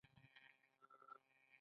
د ګردیز ګنیش مجسمه مشهوره ده